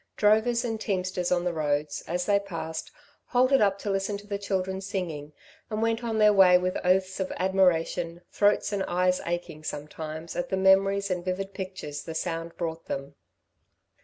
Drovers and teamsters on the roads, as they passed, halted up to listen to the children singing, and went on their way with oaths of admiration, throats and eyes aching sometimes at the memories and vivid pictures the sound brought them.